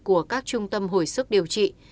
của các trung tâm hồi sức điều trị